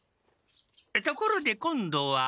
ところで今度は。